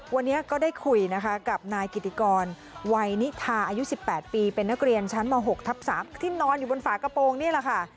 วันนี้ก็ได้คุยนะคะกับนายกิติกรวัยนิทาอายุ๑๘ปีเป็นนักเรียนชั้นม๖ทับ๓ที่นอนอยู่บนฝากระโปรงนี่แหละค่ะ